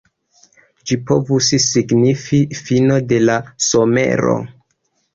Ĝi povus signifi "fino de la somero".